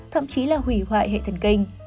thậm chí là hủy hoại hệ thần kinh